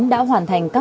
đã hoàn thành các mục